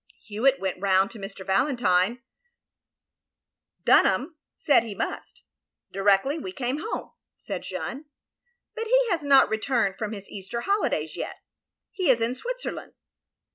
"Hewitt went round to Mr. Valentine — Dun ham said he must — directly we came home," said Jeanne. "But he has not returned from his Easter holidays yet. He is in Switzerland.